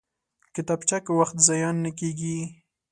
کتابچه کې وخت ضایع نه کېږي